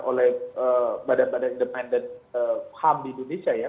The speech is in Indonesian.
oleh badan badan independen ham di indonesia ya